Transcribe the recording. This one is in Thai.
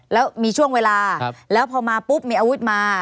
แล้วมีช่วงเวลาแล้วพอมาปุ๊บมีอาวุธมา